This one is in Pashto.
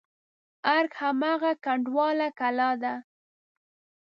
ارګ هماغه کنډواله کلا ده.